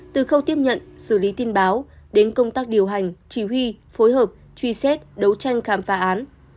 từ khâu tiếp nhận xử lý tin báo đến công tác điều hành chỉ huy phối hợp truy xét đấu tranh khám phá án